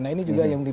nah ini juga yang